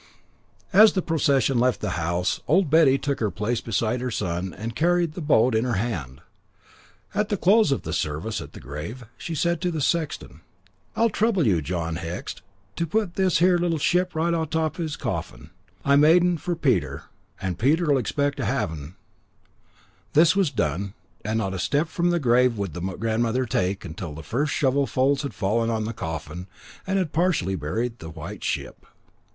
As the procession left the house, Old Betty took her place beside her son, and carried the boat in her hand. At the close of the service at the grave, she said to the sexton: "I'll trouble you, John Hext, to put this here little ship right o' top o' his coffin. I made'n for Peter, and Peter'll expect to have'n." This was done, and not a step from the grave would the grandmother take till the first shovelfuls had fallen on the coffin and had partially buried the white ship.